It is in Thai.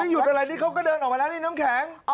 หยุดอะไรนี่เขาก็เดินออกมาแล้วนี่น้ำแข็ง